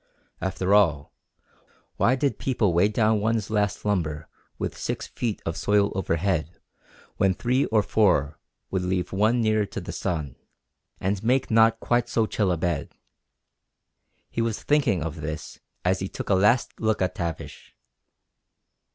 After all, why did people weigh down one's last slumber with six feet of soil overhead when three or four would leave one nearer to the sun, and make not quite so chill a bed? He was thinking of this as he took a last look at Tavish.